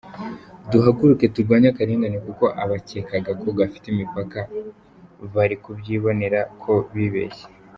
Duhaguruke turwanye akarengane kuko abakekaga ko gafite imipaka bari kubyibonera ko bibeshye.